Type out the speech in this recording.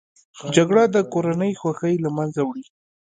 جګړه د کورنۍ خوښۍ له منځه وړي